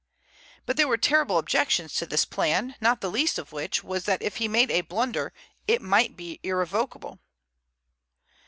But there were terrible objections to this plan, not the least of which was that if he made a blunder it might be irrevocable.